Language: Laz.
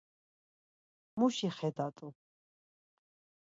Muşi xeta t̆u.